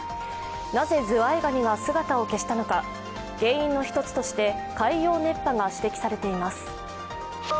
なぜズワイガニが姿を消したのか原因の一つとして海洋熱波が指摘されています。